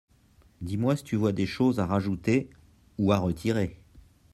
dis-moi si tu vois des choses à rajouter (ou à retirer).